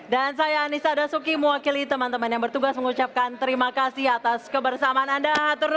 dan saya anissa dasuki mewakili teman teman yang bertugas mengucapkan terima kasih atas kebersamaan anda